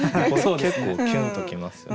結構キュンときます。